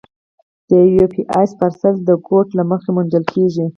د یو پي ایس پارسل د کوډ له مخې موندل کېږي.